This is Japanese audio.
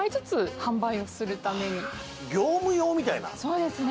そうですね。